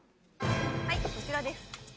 はいこちらです。